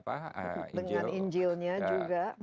dengan injilnya juga